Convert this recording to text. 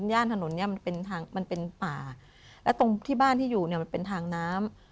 ย่านถนนเนี้ยมันเป็นทางมันเป็นป่าแล้วตรงที่บ้านที่อยู่เนี่ยมันเป็นทางน้ำ